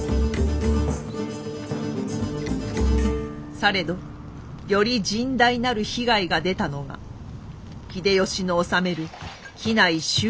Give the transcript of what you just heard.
されどより甚大なる被害が出たのが秀吉の治める畿内周辺でございました。